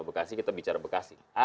bekasi kita bicara bekasi